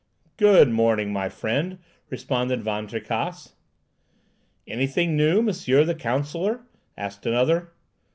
"Good morning, my friend," responded Van Tricasse. "Anything new, Monsieur the counsellor?" asked another.